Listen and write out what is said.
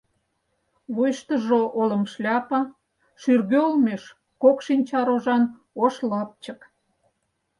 Вуйыштыжо — олым шляпа, шӱргӧ олмеш — кок шинча рожан ош лапчык.